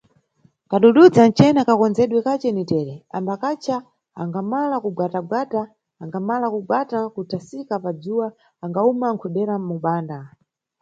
Kadududza ncena, kakondzerwa kace ni tere, ambakacha, angamala nkugwatagwata, angamala kugwata kuthasika padzuwa angawuma nkudera mubanda.